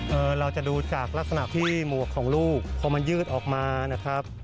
เราจะดูจากลักษณะที่หมวกของลูกพอมันยืดออกมานะครับ